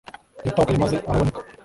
yatakaye maze araboneka